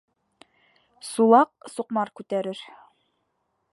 Сулаҡ суҡмар күтәрер.